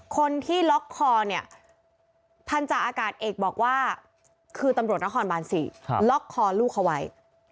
คนที่ล็อกคอเนี่ยพันธาอากาศเอกบอกว่าคือตำรวจนครบาน๔ล็อกคอลูกเขาไว้